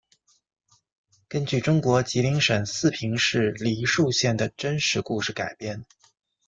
根据中国吉林省四平市梨树县的真实故事改编。